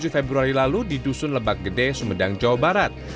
tujuh februari lalu di dusun lebak gede sumedang jawa barat